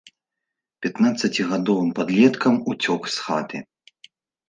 Пятнаццацігадовым падлеткам уцёк з хаты.